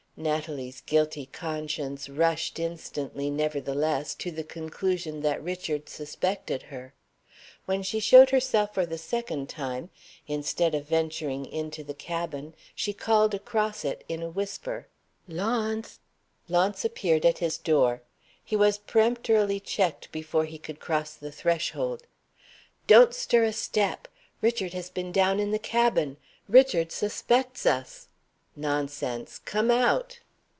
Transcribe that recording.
Natalie's guilty conscience rushed instantly, nevertheless, to the conclusion that Richard suspected her. When she showed herself for the second time, instead of venturing into the cabin, she called across it in a whisper, "Launce!" Launce appeared at his door. He was peremptorily checked before he could cross the threshold. "Don't stir a step! Richard has been down in the cabin! Richard suspects us!" "Nonsense! Come out."